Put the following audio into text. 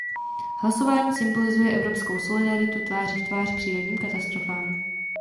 Hlasování symbolizuje evropskou solidaritu tváří v tvář přírodním katastrofám.